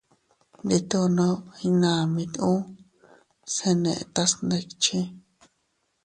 Nditono iynamit uu, se netas ndikchi.